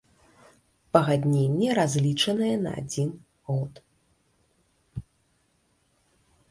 Пагадненне разлічанае на адзін год.